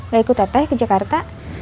gak ikut teh teh ke jakarta